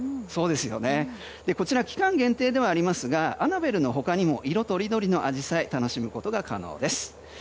こちら、期間限定ではありますがアナベルの他にも色とりどりのアジサイを楽しむことが可能です。